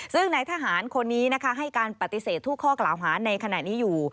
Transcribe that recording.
ซึ่งในทหารคนนี้ให้การปฏิเสธทุกข้อกราวฮานในขณะนี้อยู่